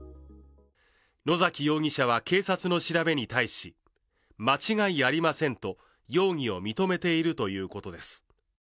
野崎容疑者は警察の調べに対し間違いありませんと容疑を認めているということです。